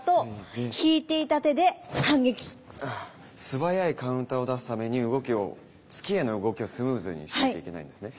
素早いカウンターを出すために動きを突きへの動きをスムーズにしなきゃいけないんですね。